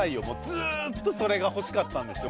ずーっとそれが欲しかったんですよ